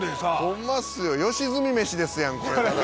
「ホンマっすよ。良純飯ですやんこれただの」